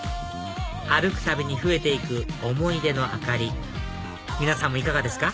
歩くたびに増えていく思い出の明かり皆さんもいかがですか？